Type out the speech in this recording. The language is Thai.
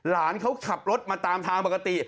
หลานเขาขับรถมาตามทางปกติ